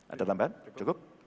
ada lamban cukup